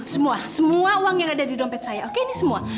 semua semua uang yang ada di dompet saya oke ini semua